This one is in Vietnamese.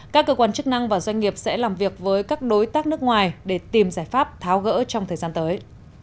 các cơ quan chức năng và doanh nghiệp sẽ làm việc với các đối tác nước ngoài để tìm giải pháp tháo gỡ trong thời gian tới